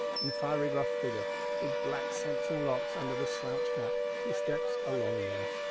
In fiery rough figure, with black Samson locks under the slouch hat, he steps along there.